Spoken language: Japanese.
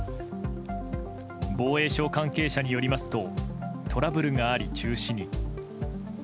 防衛省関係者によりますとトラブルがあり中止に。